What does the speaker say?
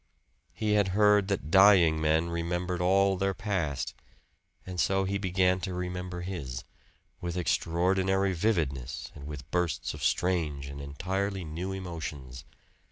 He had heard that dying men remembered all their past, and so he began to remember his with extraordinary vividness, and with bursts of strange and entirely new emotions.